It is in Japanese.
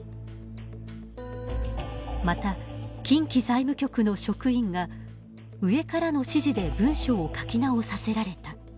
また、近畿財務局の職員が「上からの指示で文書を書き直させられた」